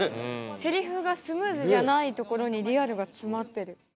セリフがスムーズじゃないところにリアルが詰まってる。